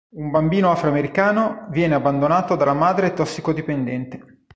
Un bambino afro-americano viene abbandonato dalla madre tossicodipendente.